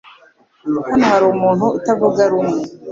Hano hari umuntu utavuga rumwe?